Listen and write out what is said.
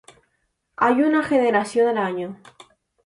Hay una generación al año.